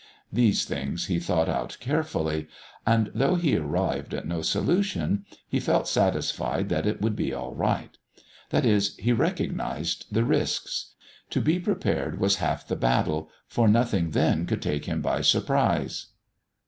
These things he thought out carefully, and though he arrived at no solution, he felt satisfied that it would be all right. That is, he recognised the risks. To be prepared was half the battle, for nothing then could take him by surprise.